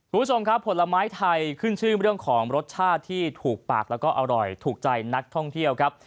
คุณผู้ชมครับผลไม้ไทยขึ้นชื่อเรื่องของรสชาติที่ถูกปากแล้วก็อร่อยถูกใจนักท่องเที่ยวครับ